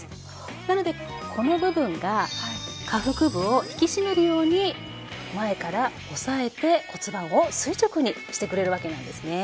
なのでこの部分が下腹部を引き締めるように前から押さえて骨盤を垂直にしてくれるわけなんですね。